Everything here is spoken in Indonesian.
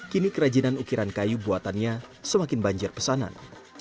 kini kerajinan ukiran kayu buatannya semakin banjir pesanan